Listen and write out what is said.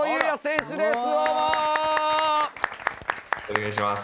お願いします。